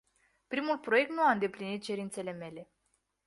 Primul proiect nu a îndeplinit cerințele mele.